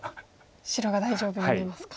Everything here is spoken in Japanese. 白が大丈夫に見えますか。